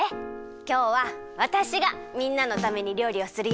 きょうはわたしがみんなのためにりょうりをするよ。